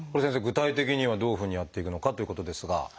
具体的にはどういうふうにやっていくのかということですが。